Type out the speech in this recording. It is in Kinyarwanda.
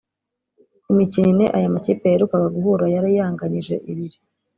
Imikino ine aya amakipe yaherukaga guhura yari yanganyije ibiri